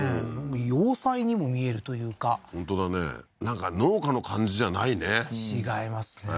要塞にも見えるというか本当だねなんか農家の感じじゃないね違いますね